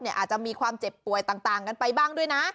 อาจจะมีความเจ็บป่วยต่างกันไปบ้างด้วยนะ